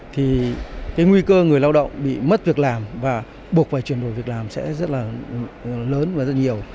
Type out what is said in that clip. thì cái nguy cơ người lao động bị mất việc làm và buộc phải chuyển đổi việc làm sẽ rất là lớn và rất nhiều